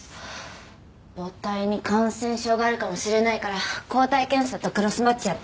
母体に感染症があるかもしれないから抗体検査とクロスマッチやって。